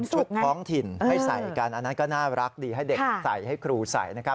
ทุกท้องถิ่นให้ใส่กันอันนั้นก็น่ารักดีให้เด็กใส่ให้ครูใส่นะครับ